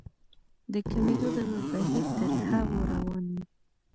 د کمېدو دغه بهير تر هغو روان وي.